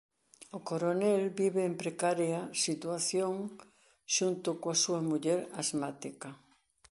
O coronel vive en precaria situación xunto coa súa muller asmática.